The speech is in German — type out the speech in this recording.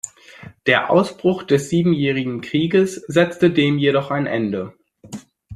Der Ausbruch des Siebenjährigen Krieges setzte dem jedoch ein Ende.